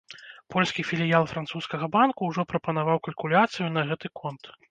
Польскі філіял французскага банку ўжо прапанаваў калькуляцыю на гэты конт.